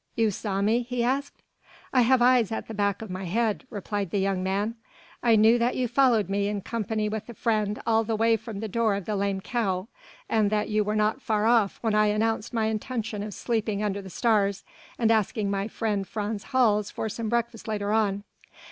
"You saw me?" he asked. "I have eyes at the back of my head," replied the young man. "I knew that you followed me in company with a friend all the way from the door of the 'Lame Cow' and that you were not far off when I announced my intention of sleeping under the stars and asking my friend Frans Hals for some breakfast later on."